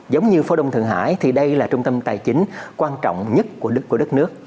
giống như phố đông thượng hải thì đây là trung tâm tài chính quan trọng nhất của đất nước